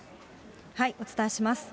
お伝えします。